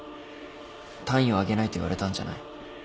単位をあげないと言われたんじゃない？